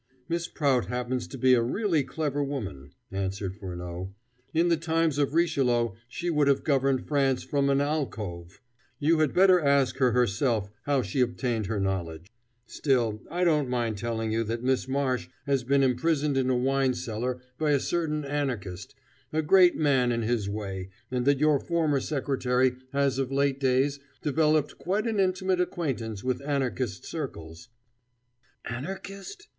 "Miss Prout happens to be a really clever woman," answered Furneaux. "In the times of Richelieu she would have governed France from an alcôve. You had better ask her herself how she obtained her knowledge. Still, I don't mind telling you that Miss Marsh has been imprisoned in a wine cellar by a certain Anarchist, a great man in his way, and that your former secretary has of late days developed quite an intimate acquaintance with Anarchist circles " "Anarchist?"